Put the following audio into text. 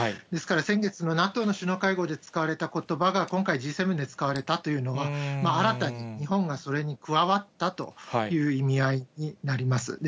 ですから、先月のＮＡＴＯの首脳会合で使われたことばが今回、Ｇ７で使われたというのは、新たに日本がそれに加わったという意味合いになります。